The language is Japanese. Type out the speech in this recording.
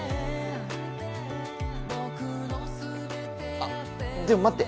あっでも待って！